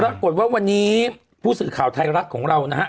ปรากฏว่าวันนี้ผู้สื่อข่าวไทยรัฐของเรานะฮะ